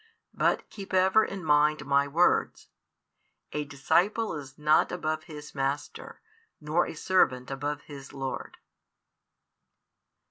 But keep ever in mind My words: A disciple is not above his master, nor a servant above his lord.